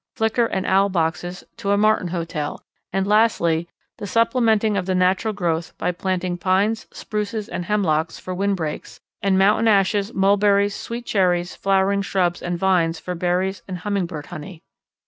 Flicker and Owl boxes, to a Martin hotel; and, lastly, the supplementing of the natural growth by planting pines, spruces, and hemlocks for windbreaks, and mountain ashes, mulberries, sweet cherries, flowering shrubs and vines for berries and Hummingbird honey."